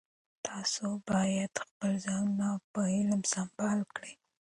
تاسو باید خپل ځانونه په علم سمبال کړئ.